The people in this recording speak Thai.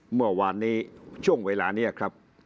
เมื่อวานนี้ช่วงเวลานี้ครับ